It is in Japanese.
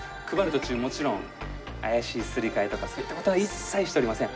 途中もちろん怪しいすり替えとかそういった事は一切しておりません。